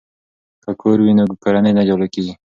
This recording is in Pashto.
که کور وي نو کورنۍ نه جلا کیږي.